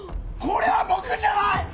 これは僕じゃない！